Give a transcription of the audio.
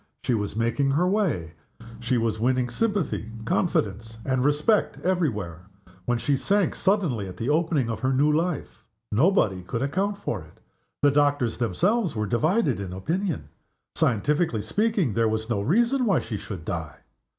She was making her way; she was winning sympathy, confidence, and respect every where when she sank suddenly at the opening of her new life. Nobody could account for it. The doctors themselves were divided in opinion. Scientifically speaking, there was no reason why she should die.